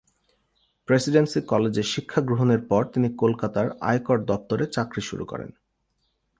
Presidency কলেজে শিক্ষা গ্রহণের পর তিনি কলকাতার আয়কর দপ্তরে চাকরি শুরু করেন।